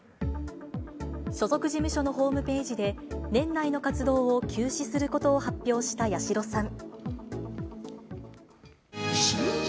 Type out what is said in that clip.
所属事務所のホームページで、年内の活動を休止することを発表した八代さん。